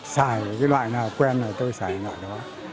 xài cái loại nào quen là tôi xài cái loại đó